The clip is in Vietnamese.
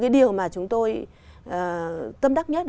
điều tốt nhất